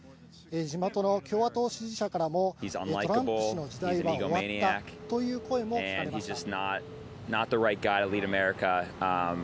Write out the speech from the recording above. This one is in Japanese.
地元の共和党支持者からもトランプ氏の時代は終わったという声も聞かれました。